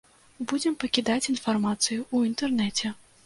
Будзем пакідаць інфармацыю ў інтэрнэце.